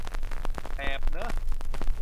แสบเนอะ